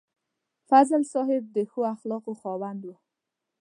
فضل صاحب د ښو اخلاقو خاوند و.